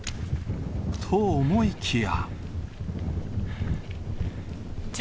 と思いきや。